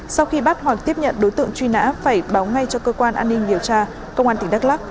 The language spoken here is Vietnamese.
sau khi bắt hoặc tiếp nhận đối tượng truy nã phải báo ngay cho cơ quan an ninh điều tra công an tỉnh đắk lắc